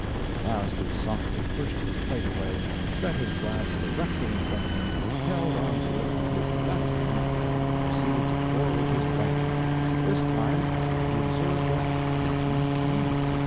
At last he softly pushed his plate away, set his glass directly in front of him, held on to it with his left hand, and proceeded to pour with his right. This time he observed that nothing came.